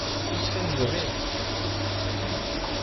Ussan zerrin.